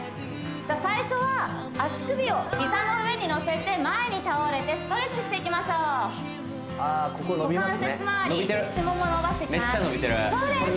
最初は足首を膝の上に乗せて前に倒れてストレッチしていきましょう股関節まわり内モモ伸ばしていきますそうです